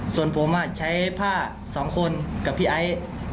ส่วนผมใช้ผ้า๒คนกับพี่ไอซ์